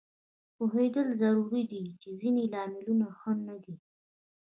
پوهېدل ضروري دي چې ځینې لاملونه ښه نه دي